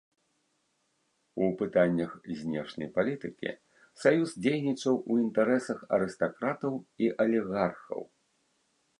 У пытаннях знешняй палітыкі саюз дзейнічаў у інтарэсах арыстакратаў і алігархаў.